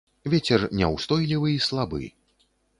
Вецер няўстойлівы і слабы.